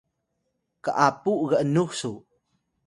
k’apu g’nux su